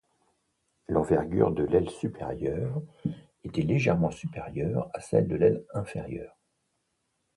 L’envergure de l’aile supérieure était légèrement supérieure à celle de l’aile inférieure.